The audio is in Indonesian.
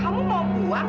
kamu mau buang